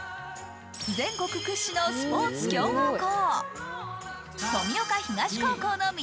全国屈指のスポーツ強豪校。